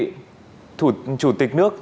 chủ tịch nước nguyễn xuân ân